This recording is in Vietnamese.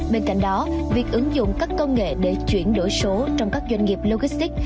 bên cạnh đó việc ứng dụng các công nghệ để chuyển đổi số trong các doanh nghiệp logistics